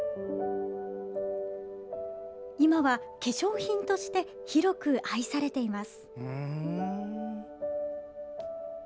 今は化粧品として広く愛されています。